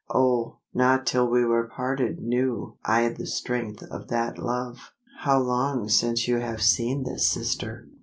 Oh! not till we were parted knew I the strength of that love." "How long since you have seen this sister?"